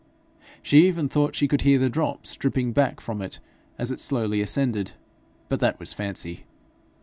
She even thought she could hear the drops dripping back from it as it slowly ascended, but that was fancy.